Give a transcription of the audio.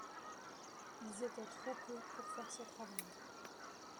Ils étaient trop peu pour faire ce travail.